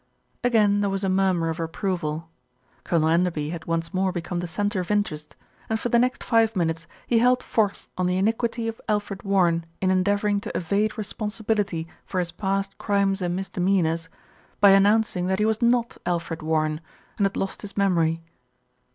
Again there was a murmur of approval. Colonel Enderby had once more become the centre of interest, and for the next five minutes he held forth on the iniquity of Alfred Warren in endeavouring to evade responsibility for his past crimes and misdemeanours, by announcing that he was not Alfred Warren, and had lost his memory.